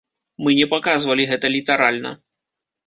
Мы не паказвалі гэта літаральна.